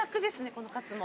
このカツも。